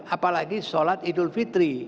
apalagi salat idul fitri